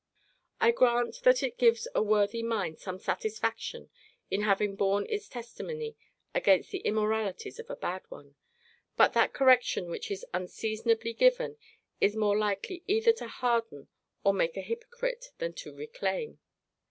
I grant that it gives a worthy mind some satisfaction in having borne its testimony against the immoralities of a bad one. But that correction which is unseasonably given, is more likely either to harden or make an hypocrite, than to reclaim.